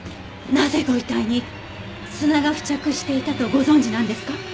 なぜご遺体に砂が付着していたとご存じなんですか？